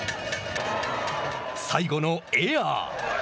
最後のエアー。